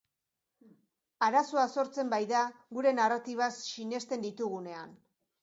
Arazoa sortzen baita gure narratibak sinesten ditugunean.